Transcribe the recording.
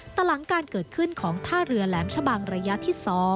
แต่หลังการเกิดขึ้นของท่าเรือแหลมชะบังระยะที่๒